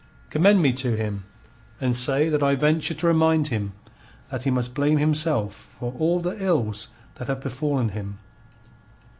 Commend me to him, and say that I venture to remind him that he must blame himself for all the ills that have befallen him.